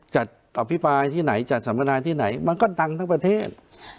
จะอภิปรายที่ไหนจัดสัมมนาที่ไหนมันก็ดังทั้งประเทศ